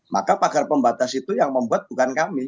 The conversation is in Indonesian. maka pagar pembatas itu yang membuat bukan kami